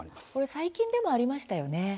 最近でもありましたね。